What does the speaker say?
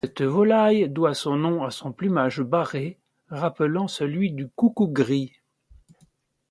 Cette volaille doit son nom à son plumage barré, rappelant celui du coucou gris.